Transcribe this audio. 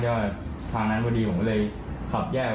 ตัวนี้เขาไม่เกี่ยวข้องกับอะไร